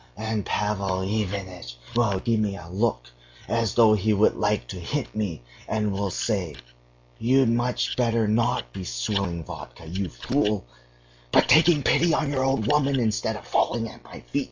And Pavel Ivanitch will give me a look as though he would like to hit me, and will say: 'You'd much better not be swilling vodka, you fool, but taking pity on your old woman instead of falling at my feet.